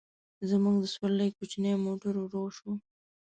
زموږ د سورلۍ کوچنی موټر ورو شو.